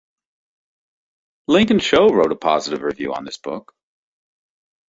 Lincoln Cho wrote a positive review on this book.